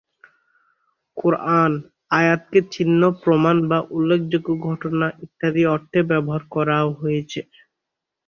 কুরআন "আয়াত"কে "চিহ্ন", "প্রমাণ," বা "উল্লেখযোগ্য ঘটনা" ইত্যাদি অর্থে ব্যবহার করাও হয়েছে।